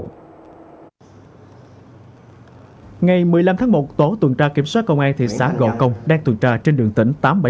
ngày một mươi năm tháng một tổ tuần tra kiểm soát công an thị xã gò công đang tuần tra trên đường tỉnh tám trăm bảy mươi tám